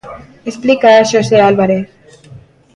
Explícaa Xosé Álvarez.